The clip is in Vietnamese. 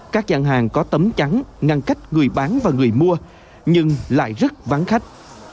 các gian hàng có tấm chắn ngăn cách người bán và người mua nhưng lại rất vắng khách